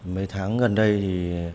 mấy tháng gần đây thì